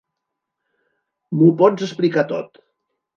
M'ho pots explicar tot.